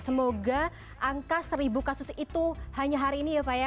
semoga angka seribu kasus itu hanya hari ini ya pak ya